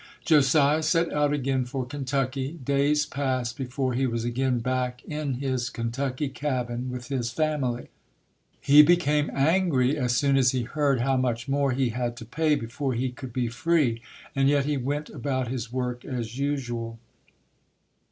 Josiah set out again for Kentucky. Days passed before he was again back in his Ken tucky cabin with his family. He became angry as soon as he heard how much more he had to pay before he could be free, and yet he went about his work as usual.